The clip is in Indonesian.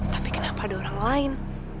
tapi kenapa ada orang lain